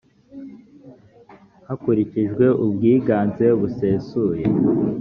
hakurikijwe ubwiganze busesuye.